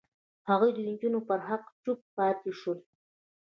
هغوی د نجونو پر حق چوپ پاتې شول.